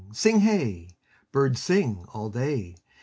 Sing hey! Birds sing All day.